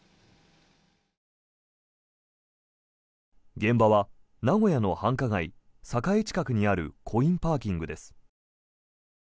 現場は名古屋の繁華街栄近くにあるコインパーキングです。